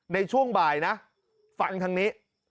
ในช่วงบ่ายนะฟังทางนี้